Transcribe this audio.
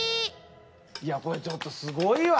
いやこれちょっとすごいわ。